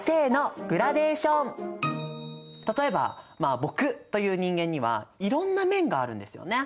例えばまあ僕という人間にはいろんな面があるんですよね。